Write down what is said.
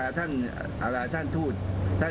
เอ่อตั้งแต่โทษโทษ